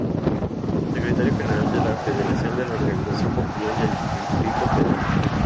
Secretario General de la Federación de la Organización Popular del Distrito Federal.